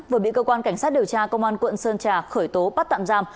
vừa bị cơ quan cảnh sát điều tra công an quận sơn trà khởi tố bắt tạm giam